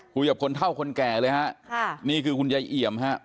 คุยกับคนเท่าคนแก่เลยฮะค่ะนี่คือคุณยายเอี่ยมฮะ